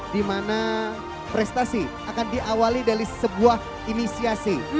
di mana prestasi akan diawali dari sebuah inisiasi